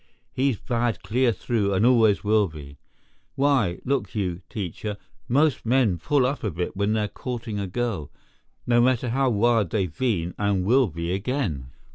He's bad clear through and always will be. Why, look you, Teacher, most men pull up a bit when they're courting a girl, no matter how wild they've been and will be again.